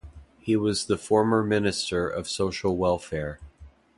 He was the former Minister of Social Welfare.